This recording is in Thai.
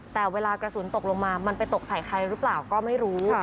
แต่เวลากระสุนตกลงมามันไปตกใส่ใครหรือเปล่าก็ไม่รู้